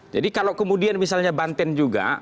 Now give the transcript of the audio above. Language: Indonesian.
jadi kalau kemudian misalnya banten juga